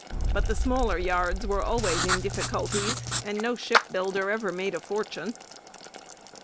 But the smaller yards were always in difficulties, and no shipbuilder ever made a fortune.